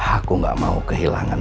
aku gak mau kehilangan